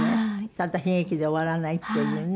ただ悲劇で終わらないっていうね。